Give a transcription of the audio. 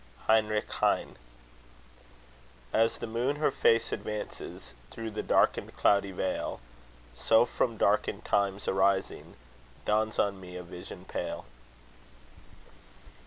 HEINRICH HEINE As the moon her face advances Through the darkened cloudy veil; So, from darkened times arising, Dawns on me a vision pale.